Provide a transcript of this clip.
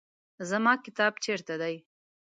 زما کتاب چیرته دی؟